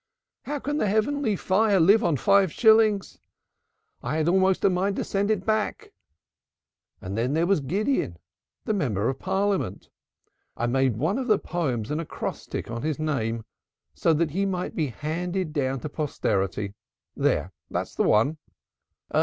How can the heavenly fire live on five shillings? I had almost a mind to send it back. And then there was Gideon, the member of Parliament. I made one of the poems an acrostic on his name, so that he might be handed down to posterity. There, that's the one.